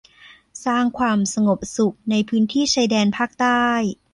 สร้างความสงบสุข ในพื้นที่ชายแดนภาคใต้